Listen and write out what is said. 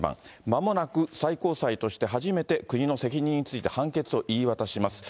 まもなく最高裁として初めて国の責任について判決を言い渡します。